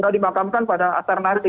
sudah dimakamkan pada asar nanti